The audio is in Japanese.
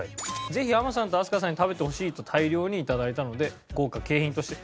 ぜひハマさんと飛鳥さんに食べてほしいと大量に頂いたので豪華景品として。